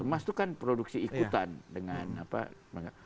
emas itu kan produksi ikutan dengan apa